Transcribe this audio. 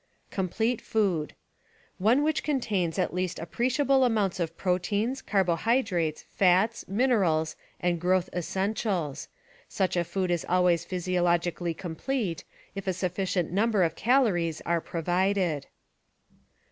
Complete food — One which contains at least appreciable amounts of proteins, carbohydrates, fats, minerals and growth essentials. Such a food is always physiologically complete, if a sufficient number of calo ries are provided.